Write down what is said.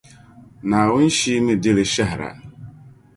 Naawuni Shia mi di li shɛhira.